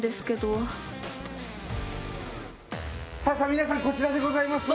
皆さんこちらでございます。